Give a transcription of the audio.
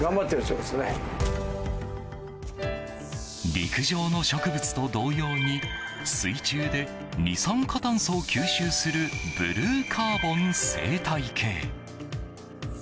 陸上の植物と同様に水中で二酸化炭素を吸収するブルーカーボン生態系。